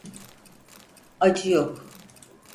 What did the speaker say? Acı yok.